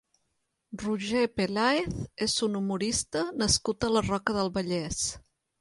Roger Pelàez és un humorista nascut a la Roca del Vallès.